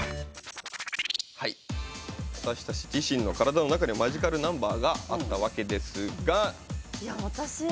私たち自身の体の中にマジカルナンバーがあったわけですが。